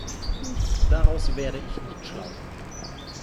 Daraus werde ich nicht schlau.